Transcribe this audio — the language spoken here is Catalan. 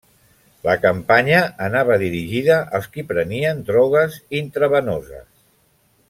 La campanya anava dirigida als qui prenien drogues intravenoses.